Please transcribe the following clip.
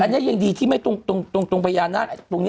อันนี้ยังดีที่ไม่ตรงพญานาคตรงนี้